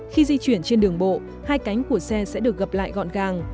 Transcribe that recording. khi di chuyển trên đường bộ hai cánh của xe sẽ được gặp lại gọn gàng